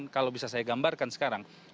kalau bisa saya gambarkan sekarang